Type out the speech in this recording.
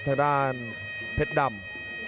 ทางด้านเพชรดำ